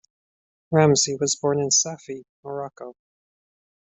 Ramzi was born in Safi, Morocco.